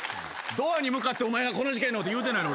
ドアに向かって「お前がこの事件の」って言うてない。